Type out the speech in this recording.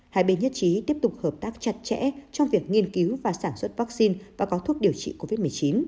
hai bên nhất trí tiếp tục hợp tác chặt chẽ trong việc nghiên cứu và sản xuất vaccine và có thuốc điều trị covid một mươi chín